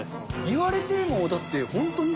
言われてもだって本当に？